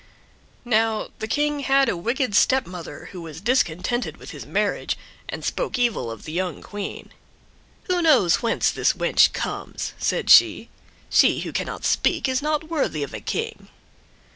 Now, the King had a wicked stepmother who was discontented with his marriage, and spoke evil of the young Queen. "Who knows whence the wench comes?" said she. "She who cannot speak is not worthy of a King."